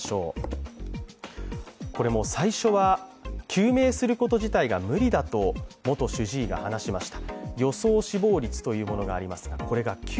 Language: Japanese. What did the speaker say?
最初は救命すること自体が無理だと元主治医が話しました。